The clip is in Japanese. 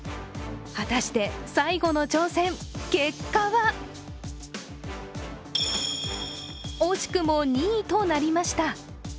果たして、最後の挑戦結果は惜しくも２位となりました。